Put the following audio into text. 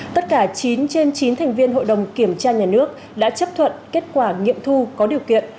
tất cả chín trên chín thành viên hội đồng kiểm tra nhà nước đã chấp thuận kết quả nghiệm thu có điều kiện